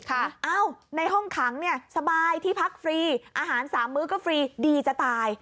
เอ้าในห้องขังเนี่ยสบายที่พักฟรีอาหารสามมื้อก็ฟรีดีจะตาย